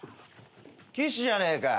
岸じゃねえか。